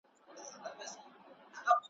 زما پر تا باندي اوس لس زره روپۍ دي ,